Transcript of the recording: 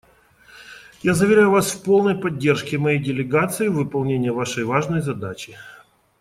Я заверяю Вас в полной поддержке моей делегации в выполнении Вашей важной задачи.